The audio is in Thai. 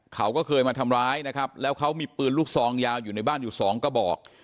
เขาก็เคยมาทำร้ายนะครับแล้วเขามีปืนลูกซองยาวอยู่ในบ้านอยู่สองกระบอก